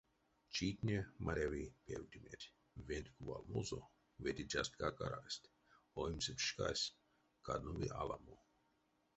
Читне, маряви, певтеметь, венть кувалмозо вете часткак арасть, оймсемс шкась каднови аламо.